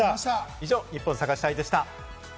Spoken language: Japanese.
以上、ニッポン探し隊でした。